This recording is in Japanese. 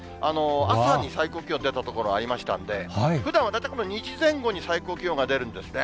朝に最高気温出た所ありましたんで、ふだんは大体２時前後に最高気温が出るんですね。